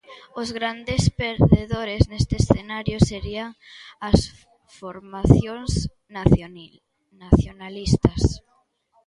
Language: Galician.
Os grandes perdedores neste escenario serían as formacións nacionalistas.